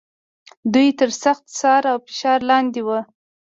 دوی تر سخت څار او فشار لاندې و.